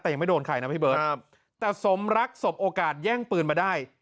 แต่ยังไม่โดนใครนะพี่เบิร์ตครับแต่สมรักสบโอกาสแย่งปืนมาได้